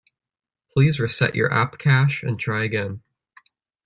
Please reset your app cache and try again.